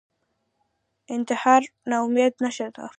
انتحار ناامیدۍ نښه ده